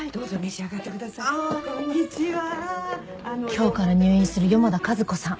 今日から入院する四方田和子さん。